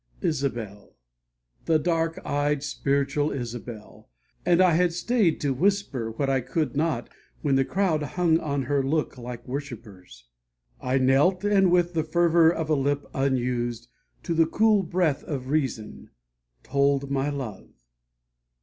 Isabel, The dark eyed, spiritual Isabel Was leaning on her harp, and I had staid To whisper what I could not when the crowd Hung on her look like worshippers. I knelt, And with the fervor of a lip unused To the cool breath of reason, told my love.